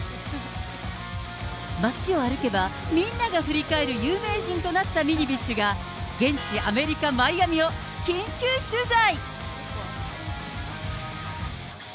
街を歩けば、みんなが振り返る有名人となったミニビッシュが、現地、アメリカ・マイアミを緊急取材。